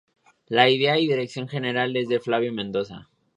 La idea y dirección general, es de Flavio Mendoza.